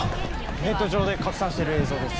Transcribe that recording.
ネット上で拡散してる映像です。